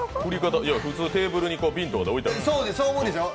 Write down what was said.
普通、テーブルに瓶とかで置いてありますよ。